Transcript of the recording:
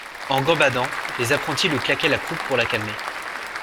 En gambadant, les apprentis lui claquaient la croupe pour la calmer.